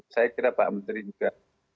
saya kira pak menteri juga